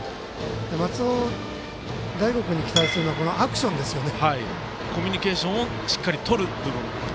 松尾大悟君に期待をしているのはアクションですよね。